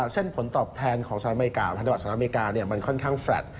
เส้นผลตอบแทนพันธบาทของสนามอเมริกามันค่อนข้างไฟล์ด